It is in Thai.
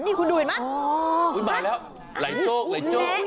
นี่คุณดูเห็นไหมมาแล้วไหลโจ๊กไหลโจ๊ก